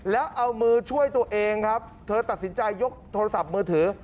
แล้วเอามือช่วยตัวเองครับเธอตัดสินใจยกโทรศัพท์มือถือ